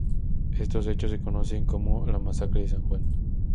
Estos hechos se conocen como la Masacre de San Juan.